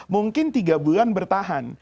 mungkin tiga bulan bertahan